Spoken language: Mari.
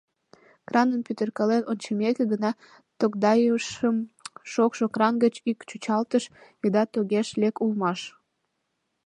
Краным пӱтыркален ончымеке гына тогдайышым: шокшо кран гыч ик чӱчалтыш вӱдат огеш лек улмаш.